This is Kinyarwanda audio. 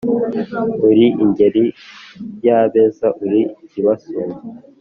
Uri ingeri y'abeza uri ikibasumba